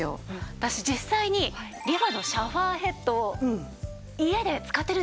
私実際にリファのシャワーヘッドを家で使ってるんですよ。